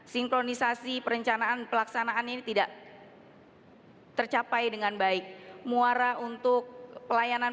sinkronisasi perencanaan pelaksanaan ini tidak tercapai dengan baik muara untuk pelayanan